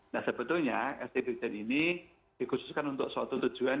nah sebetulnya sd dirjen ini dikhususkan untuk suatu tujuan